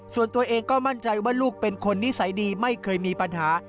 ส่วนตัวเองก็มั่นใจว่าลูกเป็นคนนิสัยดีไม่เคยมีปัญหา